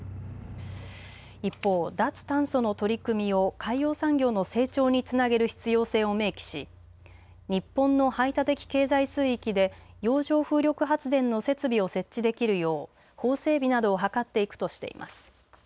一方、脱炭素の取り組みを海洋産業の成長につなげる必要性を明記し日本の排他的経済水域で洋上風力発電の設備を設置できるよう法整備などを図っていくとしています。